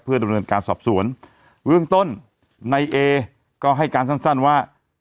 ดำเนินการสอบสวนเบื้องต้นในเอก็ให้การสั้นสั้นว่า